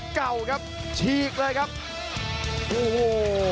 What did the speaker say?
เก่าครับฉีกเลยครับโอ้โห